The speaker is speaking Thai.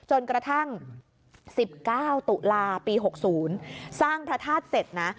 จนกระทั่งสิบเก้าตุลาปีหกศูนย์สร้างพระธาตุเสร็จนะ